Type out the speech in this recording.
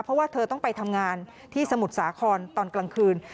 เพราะว่าเธอต้องไปทำงานที่สมุทรสาครตอนกลางคืน